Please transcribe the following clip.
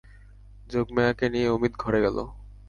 যোগমায়াকে নিয়ে অমিত ঘরে গেল।